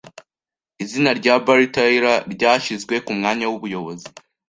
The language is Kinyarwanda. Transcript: Izina rya Barry Taylor ryashyizwe ku mwanya w’umuyobozi.